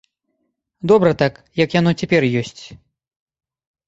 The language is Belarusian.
Добра так, як яно цяпер ёсць.